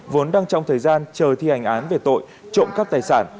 vốn đang trong thời gian chờ thi hành án về tội trộm cắp tài sản